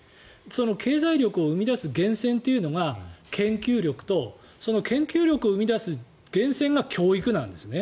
その経済力を生み出す源泉というのが研究力とその研究力を生み出す源泉が教育なんですね。